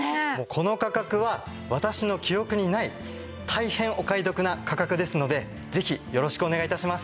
この価格は私の記憶にない大変お買い得な価格ですのでぜひよろしくお願い致します。